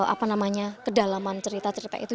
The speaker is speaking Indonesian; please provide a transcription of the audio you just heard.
apa namanya kedalaman cerita cerita itu